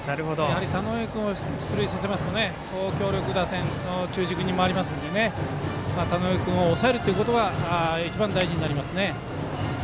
田上君を出塁させますと強力打線、中軸に回りますので田上君を抑えるということは一番大事になりますね。